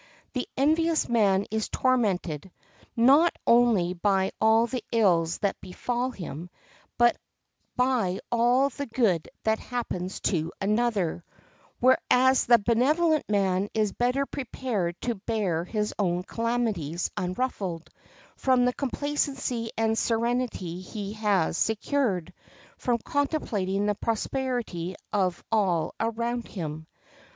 The envious man is tormented, not only by all the ills that befall himself, but by all the good that happens to another; whereas the benevolent man is better prepared to bear his own calamities unruffled, from the complacency and serenity he has secured from contemplating the prosperity of all around him.